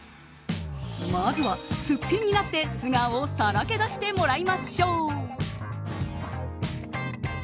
まずはすっぴんになって素顔をさらけ出してもらいましょう。